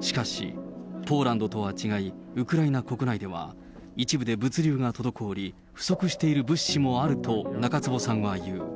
しかし、ポーランドとは違い、ウクライナ国内では、一部で物流が滞り、不足している物資もあると、中坪さんは言う。